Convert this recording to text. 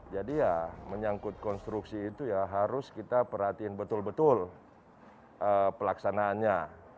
jadi ya menyangkut konstruksi itu ya harus kita perhatiin betul betul pelaksanaannya